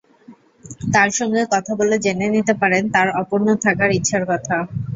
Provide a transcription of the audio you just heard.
তাঁর সঙ্গে কথা বলে জেনে নিতে পারেন তাঁর অপূর্ণ থাকা ইচ্ছার কথা।